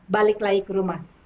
balik lagi ke rumah